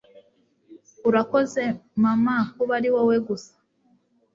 urakoze, mama, kuba uri wowe gusa